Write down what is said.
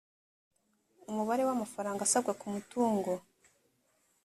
umubare w’amafaranga asabwa ku mutungo